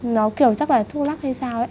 nó kiểu chắc là thuốc lắc hay sao ấy